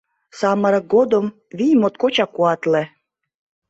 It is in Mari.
Самырык годым вий моткочак куатле.